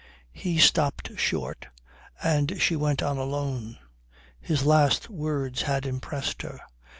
He stopped short and she went on alone. His last words had impressed her.